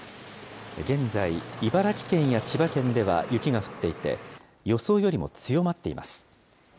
現在、茨城県や千葉県では雪が降っていて、予想よりも強まっています。